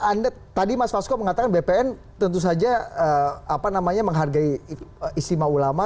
anda tadi mas fasko mengatakan bpn tentu saja menghargai istimewa ulama